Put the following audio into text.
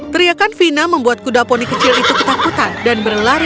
teriakan fina membuat kuda poni kecil itu ketakutan dan berlari ke tempat lain